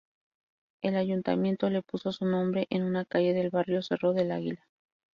El ayuntamiento le puso su nombre a una calle del barrio Cerro del Águila.